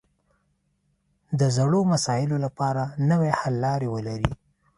د زړو مسایلو لپاره نوې حل لارې ولري